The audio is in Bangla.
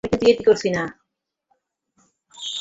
আমি কিন্তু ইয়ার্কি করছি না।